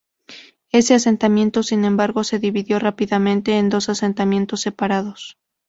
Ese asentamiento, sin embargo, se dividió rápidamente en dos asentamientos separados.